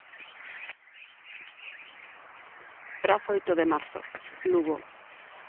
Praza Oito de Marzo, Lugo.